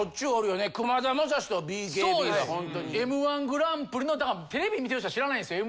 『Ｍ−１グランプリ』のだからテレビ見てる人は知らないですよ。